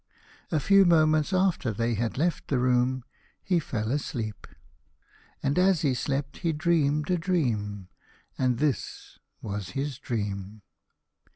A few moments after that they had left the room, he fell asleep. And as he slept he dreamed a dream, and this was his dream.